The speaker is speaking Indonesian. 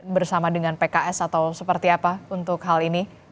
bersama dengan pks atau seperti apa untuk hal ini